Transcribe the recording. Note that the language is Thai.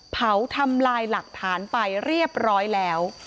เผาทำลายหลักฐานไปเรียบร้อยแล้ว